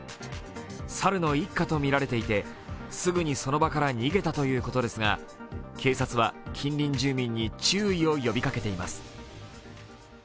猿の一家とみられていて、すぐにその場から逃げたということですが警察は近隣住民に注意を呼びかけています。